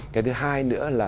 cái thứ hai nữa là